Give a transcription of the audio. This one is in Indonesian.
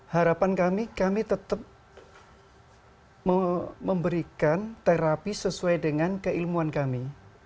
harapan kami kami tetap memberikan terapi sesuai dengan keilmuan kami